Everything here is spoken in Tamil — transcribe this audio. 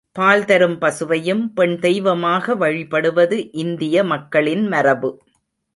பால் தரும் பசுவையும் பெண் தெய்வமாக வழிபடுவது இந்திய மக்களின் மரபு.